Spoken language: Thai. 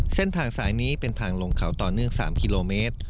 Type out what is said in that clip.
เส้นทางสายนี้เป็นทางลงเขาต่อเนื่อง๓กิโลเมตร